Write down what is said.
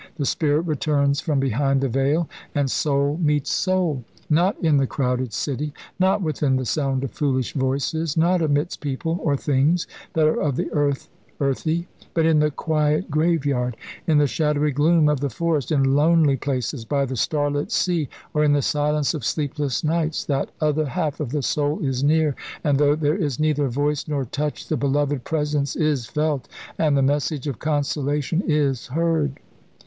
The spirit returns from behind the veil, and soul meets soul. Not in the crowded city not within the sound of foolish voices, not amidst people or things that are of the earth earthy but in the quiet graveyard, in the shadowy gloom of the forest, in lonely places by the starlit sea, or in the silence of sleepless nights, that other half of the soul is near, and, though there is neither voice nor touch, the beloved presence is felt, and the message of consolation is heard.